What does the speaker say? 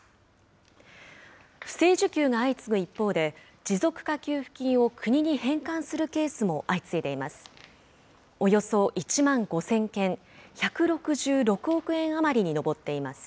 不正受給が相次ぐ一方で、持続化給付金を国に返還するケースも相次いでいます。